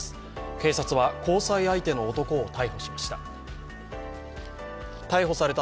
警察は交際相手の男を逮捕しました。